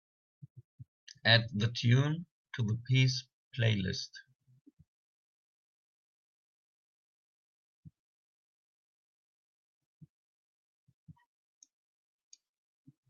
Add the tune to the peace playlist.